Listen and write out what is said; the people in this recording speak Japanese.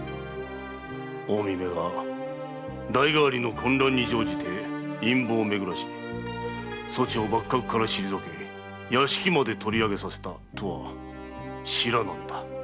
近江めが代替わりの混乱に乗じて陰謀をめぐらしそちを幕閣から退け屋敷まで取り上げさせたとは知らなんだ。